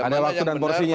ada waktu dan porsinya ya